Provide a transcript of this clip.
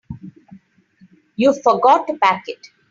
You forgot to pack it.